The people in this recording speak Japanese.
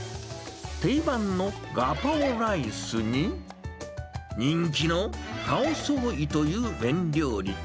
定番のガパオライスに、人気のカオソーイという麺料理。